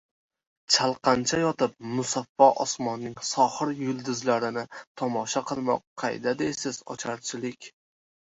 chalqancha yotib musaffo osmonning sohir yulduzlarini tomosha qilmoq qayda deysiz — ocharchilik!